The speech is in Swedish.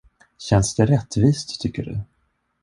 Känns det rättvist, tycker du?